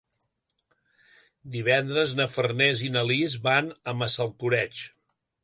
Divendres na Farners i na Lis van a Massalcoreig.